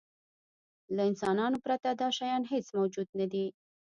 له انسانانو پرته دا شیان هېڅ موجود نهدي.